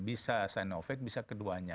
bisa sinovac bisa keduanya